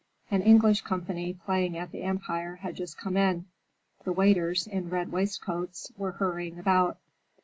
An English company playing at the Empire had just come in. The waiters, in red waistcoats, were hurrying about.